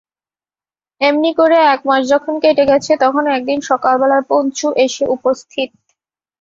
এমনি করে এক মাস যখন কেটে গেছে তখন একদিন সকালবেলায় পঞ্চু এসে উপস্থিত।